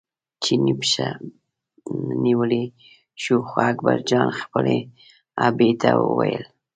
چیني پښه نیولی شو خو اکبرجان خپلې ابۍ ته وویل.